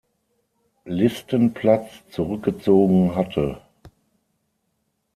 Listenplatz zurückgezogen hatte.